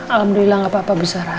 alhamdulillah gak apa apa